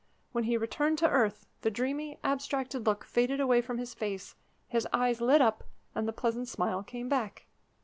When he returned to earth, the dreamy, abstracted look faded away from his face; his eyes lit up, and the pleasant smile came back.